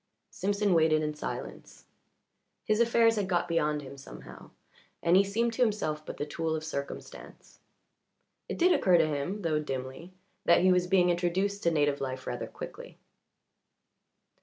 Simpson waited in silence. His affairs had got beyond him somehow, and he seemed to himself but the tool of circumstance. It did occur to him, though dimly, that he was being introduced to native life rather quickly.